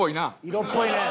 色っぽいね。